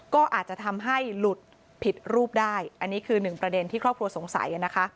ก็อาจจะทำให้หลุดผิดรูปได้อันนี้คือหนึ่งประเด็นที่ครอบครัวสงสัยนะคะ